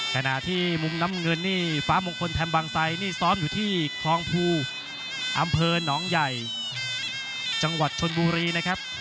ขณะที่มุมน้ำเงินนี่ฟ้ามงคลแฮมบางไซนี่ซ้อมอยู่ที่คลองภูอำเภอหนองใหญ่จังหวัดชนบุรีนะครับ